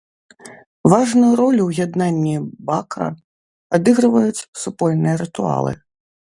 Важную ролю ў яднанні бака адыгрываюць супольныя рытуалы.